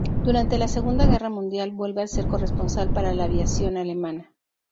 Durante la Segunda Guerra Mundial vuelve a ser corresponsal para la aviación alemana.